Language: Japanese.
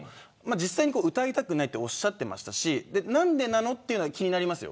実際に歌いたくないとおっしゃっていましたし何でなのというのは気になりますよ。